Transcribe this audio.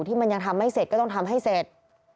ที่มันยังทำไม่เสร็จก็ต้องทำให้เสร็จ